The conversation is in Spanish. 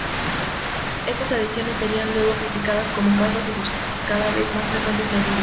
Estas adhesiones serían luego citadas como causas de sus cada vez más frecuentes delirios.